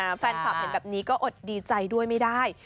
แฟนคลับเห็นแบบนี้ก็อดดีใจด้วยไม่ได้